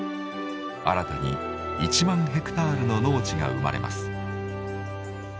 新たに１万ヘクタールの農地が生まれます。